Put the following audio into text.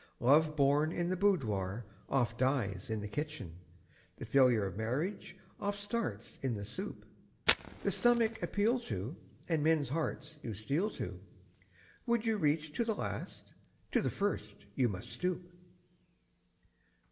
Love born in the boudoir oft dies in the kitchen, The failure of marriage oft starts in the soup. The stomach appeal to, and men's heart you steal to Would you reach to the last? To the first you must stoop.